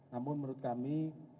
namun menurut kami